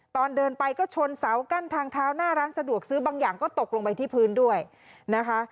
ตอนเดินไปก็ชนเสากั้นทางเท้าหน้าร้านสะดวกซื้อบางอย่างก็ตกลงไปที่พื้นด้วยนะคะ